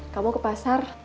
kamu ke pasar